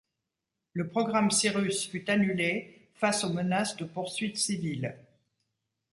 Le programme Cirrus fut annulé face aux menaces de poursuites civiles.